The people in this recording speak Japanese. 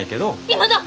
今だ！